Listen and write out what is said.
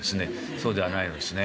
そうではないのですね。